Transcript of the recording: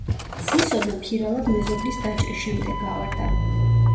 სისონა ფირალად მეზობლის დაჭრის შემდეგ გავარდა.